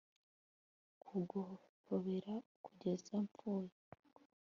kuguhobera kugeza mpfuye